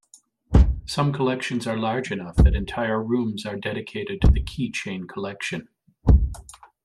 Some collections are large enough that entire rooms are dedicated to the keychain collection.